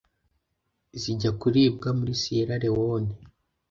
zijya kuribwa muri Sierra Leone